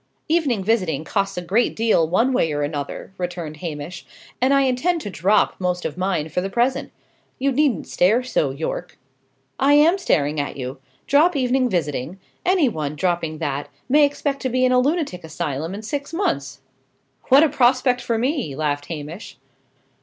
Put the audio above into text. "Evening visiting costs a great deal, one way or another," returned Hamish, "and I intend to drop most of mine for the present. You needn't stare so, Yorke." "I am staring at you. Drop evening visiting! Any one, dropping that, may expect to be in a lunatic asylum in six months." "What a prospect for me!" laughed Hamish.